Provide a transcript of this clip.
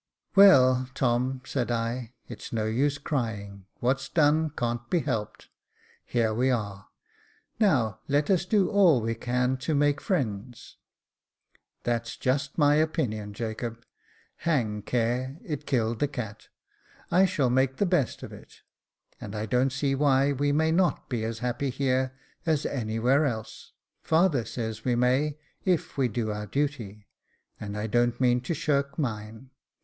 "Well, Tom," said I, "it's no use crying. What's done can't be helped ; here we are ; now let us do all we can to make friends." " That's just my opinion, Jacob. Hang care •, it killed the cat ; I shall make the best of it, and I don't see why we may not be as happy here as anywhere else. Father says we may, if we do our duty, and I don't mean to shirk mine.